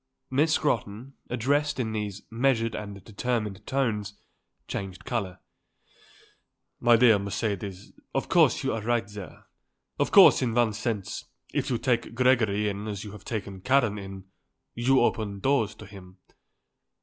Miss Scrotton, addressed in these measured and determined tones, changed colour. "My dear Mercedes, of course you are right there. Of course in one sense, if you take Gregory in as you have taken Karen in, you open doors to him.